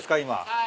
はい。